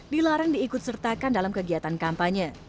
dilarang diikut sertakan dalam kegiatan kampanye